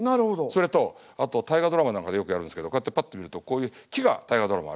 それとあと「大河ドラマ」なんかでよくやるんですけどこうやってパッと見るとこういう木が「大河ドラマ」